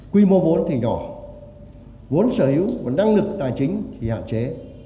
quy mô vốn thì nhỏ vốn sở hữu và năng lực tài chính thì hạn chế